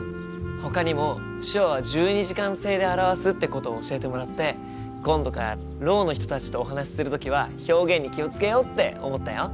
ほかにも手話は１２時間制で表すってことを教えてもらって今度からろうの人たちとお話しする時は表現に気を付けようって思ったよ。